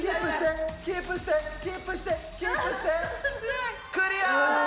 キープして、キープして、キープして、クリア！